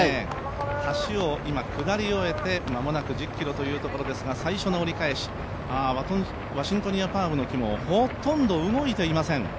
橋を今おり終えて間もなく１０ｋｍというところですが最初の折り返し、ワシントニアパームの木もほとんど動いていません。